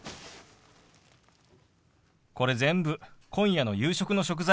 これ全部今夜の夕食の食材。